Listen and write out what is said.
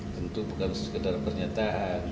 tentu bukan sekedar pernyataan